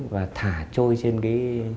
và thả trôi trên cái